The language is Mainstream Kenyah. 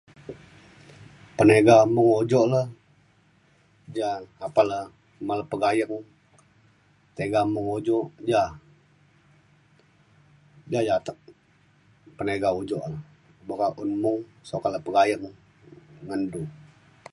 peniga mung ujok le ja apan le man le pegayeng tiga mung ujo ja. ja yak atek peniga ujo le boka un mung sukat le pegayeng ngan du